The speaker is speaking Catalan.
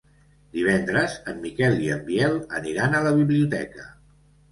Divendres en Miquel i en Biel aniran a la biblioteca.